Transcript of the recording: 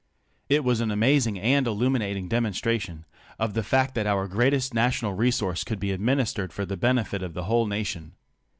It was an amazing and illuminating demonstration of the fact that our greatest national resource could be administered for the benelit of the whole nation.